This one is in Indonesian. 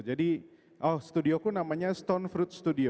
jadi oh studioku namanya stone fruit studio